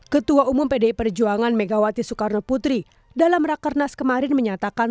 ketua umum pdi perjuangan megawati soekarno putri dalam rakernas kemarin menyatakan